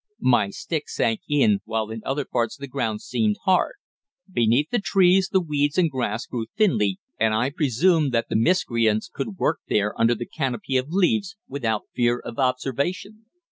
My stick sank in, while in other parts the ground seemed hard. Beneath the trees the weeds and grass grew thinly, and I presumed that the miscreants could work there under the canopy of leaves without fear of observation.